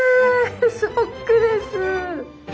ショックです。